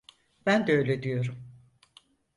Ben de öyle diyorum.